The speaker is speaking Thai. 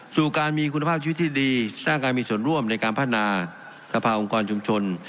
สู่การมีคุณภาพชีวิตที่ดีสร้างการมีส่วนร่วมในการพัฒนาสภาองค์กรชุมชน